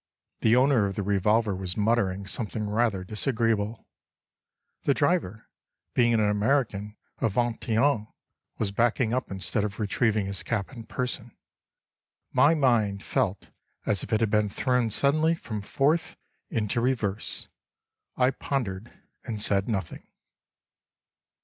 The owner of the revolver was muttering something rather disagreeable. The driver (being an American of Vingt et Un) was backing up instead of retrieving his cap in person. My mind felt as if it had been thrown suddenly from fourth into reverse. I pondered and said nothing.